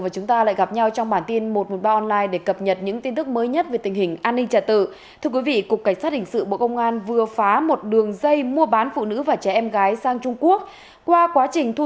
chào mừng quý vị đến với bản tin một trăm một mươi ba online